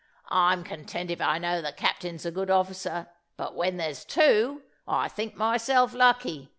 "I'm content if I know that the captain's a good officer; but when there's two, I think myself lucky.